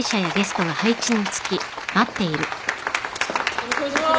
よろしくお願いします。